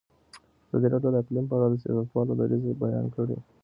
ازادي راډیو د اقلیم په اړه د سیاستوالو دریځ بیان کړی.